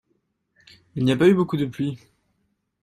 Il n'y a pas eu beaucoup de pluie.